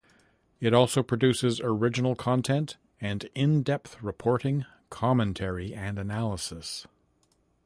It also produces original content and in-depth reporting, commentary, and analysis.